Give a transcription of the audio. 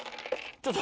ちょっと。